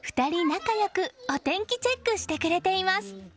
仲良くお天気チェックしてくれています。